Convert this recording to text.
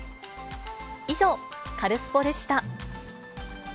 以上、カルスポっ！でした。